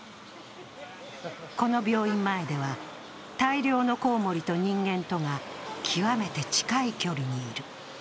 この病院前では、大量のコウモリと人間とが極めて近い距離にいる。